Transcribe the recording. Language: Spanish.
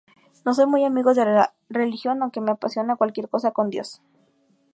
No soy muy amigo de la religión aunque me apasiona cualquier cosa con Dios.